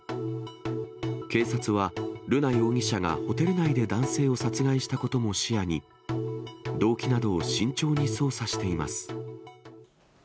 警察は、瑠奈容疑者がホテル内で男性を殺害したことも視野に、動機などを慎重に捜査しています。